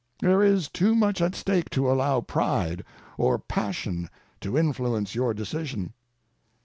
There is too much at stake to allow pride or passion to influence your decision.